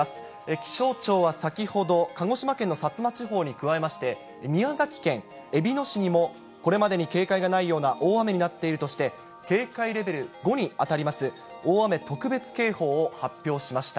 気象庁は先ほど、鹿児島県の薩摩地方に加えまして、宮崎県えびの市にも、これまでに警戒がないような大雨になっているとして、警戒レベル５に当たります、大雨特別警報を発表しました。